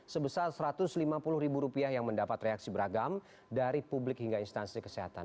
sebesar satu ratus lima puluh ribu rupiah yang mendapat reaksi beragam dari publik hingga instansi kesehatan